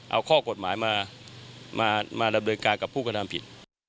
เอาข้อกฎหมายมามาดำเนินการกับผู้กระทำผิด